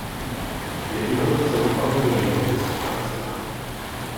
Nevýhodou samopalu je jeho vysoká cena.